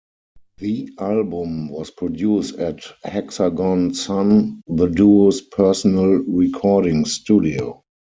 The album was produced at Hexagon Sun, the duo's personal recording studio.